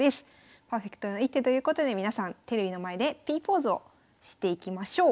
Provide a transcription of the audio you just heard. パーフェクトな一手ということで皆さんテレビの前でＰポーズをしていきましょう。